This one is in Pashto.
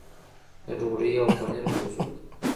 د ډوډۍ او پنیر موضوع ده.